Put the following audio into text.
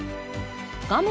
画面